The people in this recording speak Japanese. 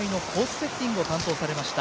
セッティングを担当されました